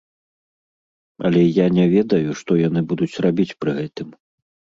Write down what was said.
Але я не ведаю, што яны будуць рабіць пры гэтым.